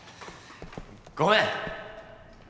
ごめん！